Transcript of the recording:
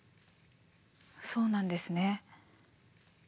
そうなんですね。